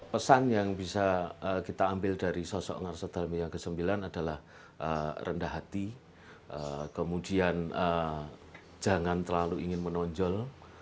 pesan yang bisa kita ambil dari sosok ngasedhamia ix adalah rendah hati kemudian jangan terlalu ingin menonjol